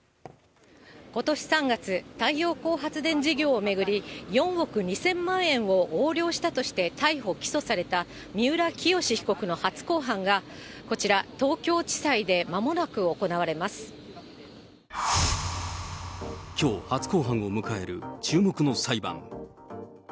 ことし３月、太陽光発電事業を巡り、４億２０００万円を横領したとして逮捕・起訴された三浦清志被告の初公判が、こちら、きょう、初公判を迎える注目の裁判。